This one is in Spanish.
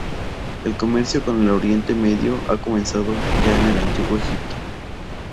El comercio con el Oriente Medio ha comenzado ya en el antiguo Egipto.